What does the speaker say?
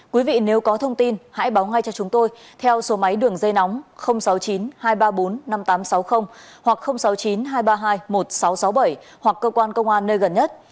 quý vị nếu có thông tin hãy báo ngay cho chúng tôi theo số máy đường dây nóng sáu mươi chín hai trăm ba mươi bốn năm nghìn tám trăm sáu mươi hoặc sáu mươi chín hai trăm ba mươi hai một nghìn sáu trăm sáu mươi bảy hoặc cơ quan công an nơi gần nhất